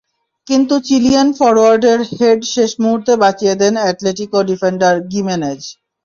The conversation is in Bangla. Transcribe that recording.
কিন্তু চিলিয়ান ফরোয়ার্ডের হেড শেষ মুহূর্তে বাঁচিয়ে দেন অ্যাটলেটিকো ডিফেন্ডার গিমেনেজ।